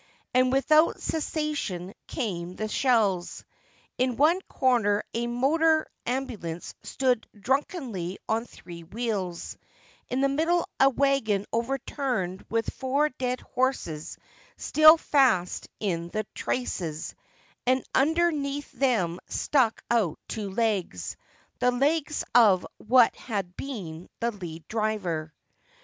And without cessation came the shells. In one corner a motor ambulance stood drunkenly on three wheels ; in the middle a wagon overturned with four dead horses still fast in the traces, and under neath them stuck out two legs, the legs of what had been the lead driver.